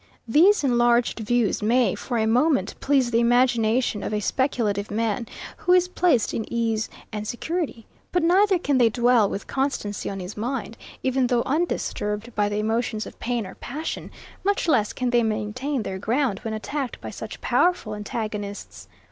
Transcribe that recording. These enlarged views may, for a moment, please the imagination of a speculative man, who is placed in ease and security; but neither can they dwell with constancy on his mind, even though undisturbed by the emotions of pain or passion; much less can they maintain their ground when attacked by such powerful antagonists.